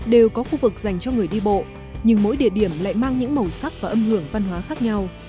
đều có khu vực dành cho người đi bộ nhưng mỗi địa điểm lại mang những màu sắc và âm hưởng văn hóa khác nhau